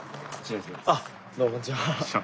あっどうもこんにちは。